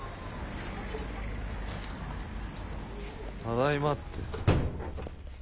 ただいまって。